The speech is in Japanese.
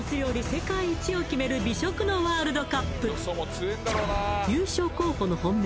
世界一を決める美食のワールドカップ優勝候補の本命